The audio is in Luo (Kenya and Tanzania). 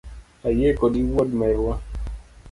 Ayie kodi wuod merwa